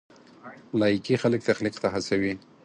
لایکي خلک تخلیق ته هڅوي.